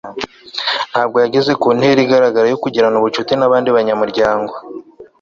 ntabwo yageze ku ntera igaragara yo kugirana ubucuti nabandi banyamuryango